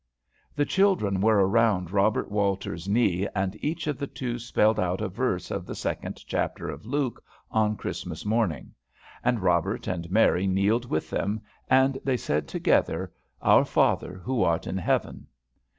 The children were around Robert Walter's knees, and each of the two spelled out a verse of the second chapter of Luke, on Christmas morning. And Robert and Mary kneeled with them, and they said together, "Our Father who art in heaven."